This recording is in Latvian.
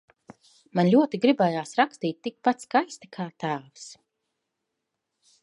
Man ļoti gribējās rakstīt tikpat skaisti, kā tēvs.